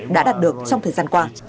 đã đạt được trong thời gian qua